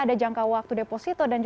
ada jangka waktu deposito